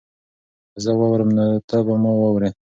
که زه واوړم نو ته به ما واورې؟